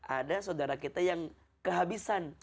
ada saudara kita yang kehabisan